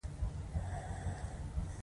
وام خو د خوارکي داغټ غټ شیان خوښ دي